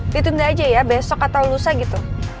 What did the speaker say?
ditunda aja ya besok atau lusa gitu